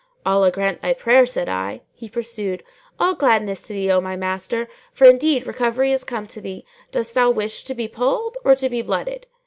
"Allah grant thy prayer!" said I. He pursued, "All gladness to thee, O my master, for indeed recovery is come to thee. Dost thou wish to be polled or to be blooded?